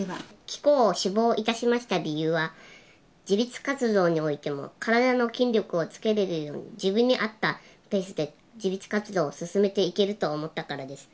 貴校を志望いたしました理由は自立活動においても体の筋力をつけれるように自分に合ったペースで自立活動を進めていけると思ったからです